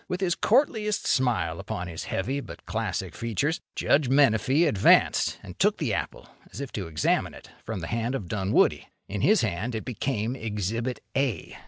With his courtliest smile upon his heavy but classic features, Judge Menefee advanced, and took the apple, as if to examine it, from the hand of Dunwoody. In his hand it became Exhibit A.